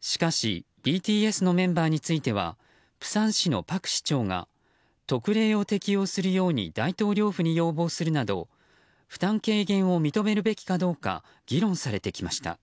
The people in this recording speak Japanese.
しかしＢＴＳのメンバーについては釜山市のパク市長が特例を適用するように大統領府に要望するなど負担軽減を認めるべきかどうか議論されてきました。